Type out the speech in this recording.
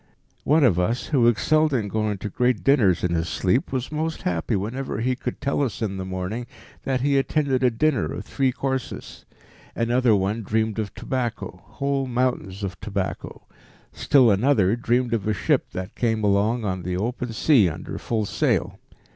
One of us, who excelled in going to great dinners in his sleep, was most happy whenever he could tell us in the morning that he attended a dinner of three courses; another one dreamed of tobacco, whole mountains of tobacco; still another dreamed of a ship that came along on the open sea, under full sail.